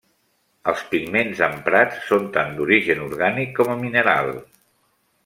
Els pigments emprats són tant d'origen orgànic com mineral.